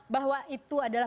bahwa itu adalah